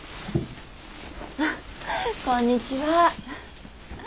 あっこんにちは。